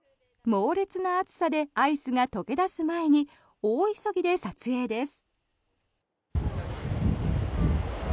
猛烈な暑さでアイスが溶け出す前に大急ぎで撮影です。